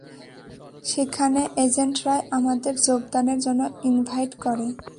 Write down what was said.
সেখানে এজেন্টরাই আমাদের যোগদানের জন্য ইনভাইট করে।